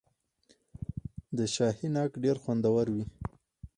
د شاهي ناک ډیر خوندور وي.